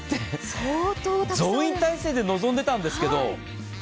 総員体制で臨んでたんですけど。